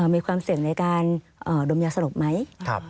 มีความเสี่ยงในการดมยาสลบไหม